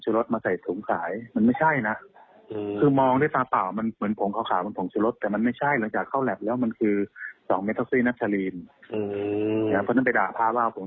ก็สมน้ำสมเนื้อก็ไม่ถือว่าแพงแต่ว่าถ้าเป็นนักเคมีก็ถือว่าแพง